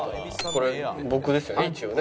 これ僕ですよね一応ね。